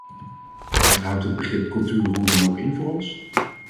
Wat houdt het begrip cultuur hoe dan ook in voor ons?